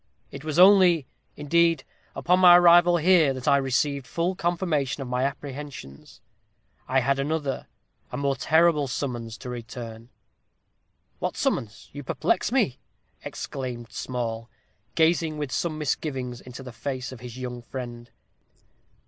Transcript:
It was only, indeed, upon my arrival here that I received full confirmation of my apprehensions. I had another, a more terrible summons to return." "What summons? you perplex me!" exclaimed Small, gazing with some misgiving into the face of his young friend.